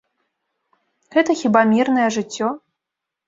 Гэта хіба мірнае жыццё?